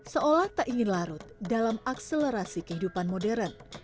seolah tak ingin larut dalam akselerasi kehidupan modern